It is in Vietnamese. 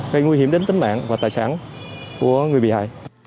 gây nguy hiểm đến tính mạng và tài sản của người bị hại